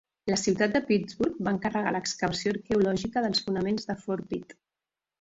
La ciutat de Pittsburgh va encarregar l'excavació arqueològica dels fonaments de Fort Pitt.